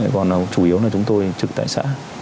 còn chủ yếu là chúng tôi trực tại xã